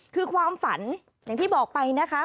คือความฝันอย่างที่บอกไปนะคะ